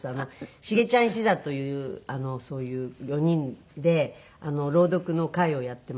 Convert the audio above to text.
しげちゃん一座というそういう４人で朗読の会をやっていまして。